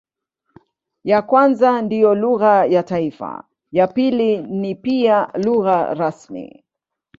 Ya kwanza ndiyo lugha ya taifa, ya pili ni pia lugha rasmi.